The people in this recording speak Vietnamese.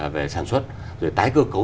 về sản xuất rồi tái cơ cấu